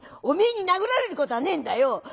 おめえに殴られるこたぁねえんだよ。